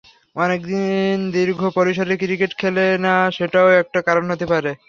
অনেক দিন দীর্ঘ পরিসরের ক্রিকেট খেলে না, সেটাও একটা কারণ হতে পারে।